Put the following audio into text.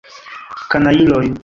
Kanajloj!